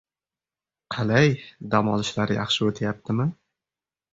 — Qalay, dam olishlar yaxshi o‘tyaptimi?